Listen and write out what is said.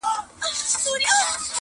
روح مي نیم بسمل نصیب ته ولیکم٫